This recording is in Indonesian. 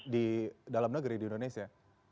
di dalam negeri di indonesia